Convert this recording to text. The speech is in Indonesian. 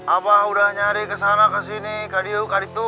abah udah nyari kesana kesini kaditu kaditu